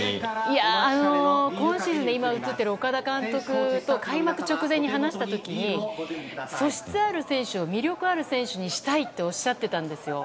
今シーズン、岡田監督と開幕直前に話した時に素質ある選手を魅力ある選手にしたいとおっしゃっていたんですよ。